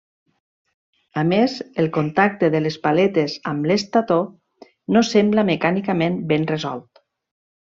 A més, el contacte de les paletes amb l'estator no sembla mecànicament ben resolt.